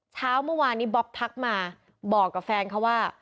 เช้าเมื่อวานนี้บล็อกทักมาบอกกับแฟนเขาว่า